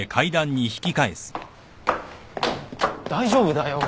大丈夫だよ。